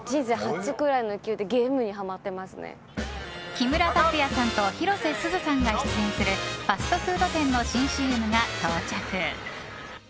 木村拓哉さんと広瀬すずさんが出演するファストフード店の新ＣＭが到着。